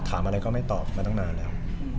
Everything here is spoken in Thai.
ถามอะไรก็ไม่ตอบมาตั้งนานแล้ว